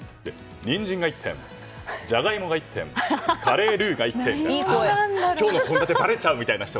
ニンジンが１点ジャガイモが１点カレールーが１点今日の献立ばれちゃう！なんて。